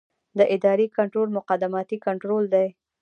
د ادارې کنټرول مقدماتي کنټرول دی.